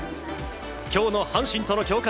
今日の阪神との強化